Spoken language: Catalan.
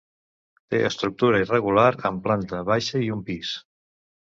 Té estructura irregular, amb planta baixa i un pis.